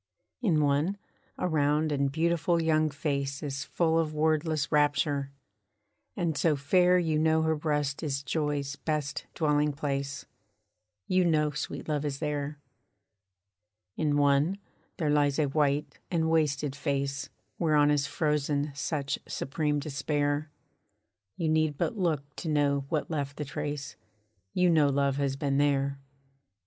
In one, a round and beautiful young face Is full of wordless rapture; and so fair You know her breast is joy's best dwelling place; You know sweet love is there. In one, there lies a white and wasted face Whereon is frozen such supreme despair, You need but look to know what left the trace; You know love has been there.